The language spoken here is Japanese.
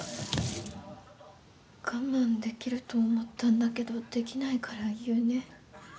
我慢できると思ったんだけどできないから言うね。